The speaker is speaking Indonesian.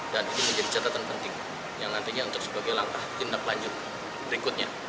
dan itu menjadi catatan penting yang nantinya untuk sebagai langkah tindak lanjut berikutnya